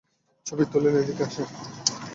ছবি তুলেন, এদিকে আসেন।